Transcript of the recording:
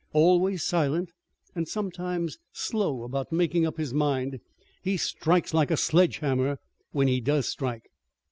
Always silent, and sometimes slow about making up his mind he strikes like a sledge hammer when he does strike."